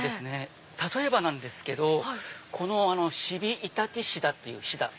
例えばなんですけどシビイタチシダっていうシダ。